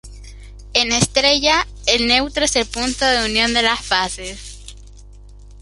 En estrella, el neutro es el punto de unión de las fases.